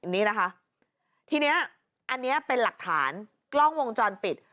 นี่นะคะทีนี้อันนี้เป็นหลักฐานกล้องวงจรปิด